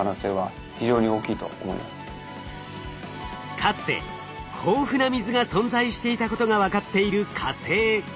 かつて豊富な水が存在していたことが分かっている火星。